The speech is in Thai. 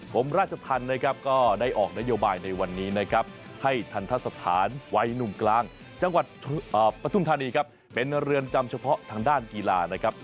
ผมราชธรรมนะครับก็ได้ออกนโยบายในวันนี้นะครับให้ทันทะสถานวัยหนุ่มกลางจังหวัดปฐุมธานีครับเป็นเรือนจำเฉพาะทางด้านกีฬานะครับ